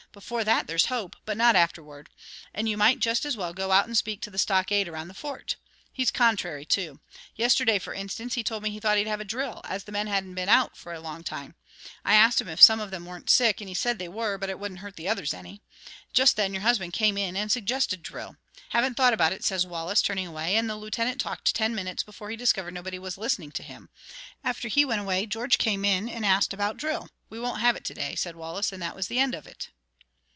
Before that, there's hope, but not afterward; and you might just as well go out and speak to the stockade around the Fort. He's contrary, too. Yesterday, for instance, he told me he thought he'd have drill, as the men hadn't been out for a long time. I asked him if some of them weren't sick, and he said they were, but it wouldn't hurt the others any. Just then your husband came in and suggested drill. 'Haven't thought about it,' says Wallace, turning away, and the Lieutenant talked ten minutes before he discovered nobody was listening to him. After he went away, George came in and asked about drill. 'We won't have it to day,' said Wallace, and that was the end of it."